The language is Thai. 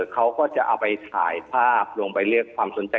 เขาก็จะเอาไปถ่ายภาพลงไปเรียกความสนใจ